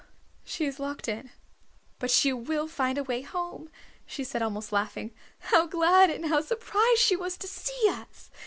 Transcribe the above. "She is locked in, but she will find a way home," she said, almost laughing. "How glad and how surprised she was to see us!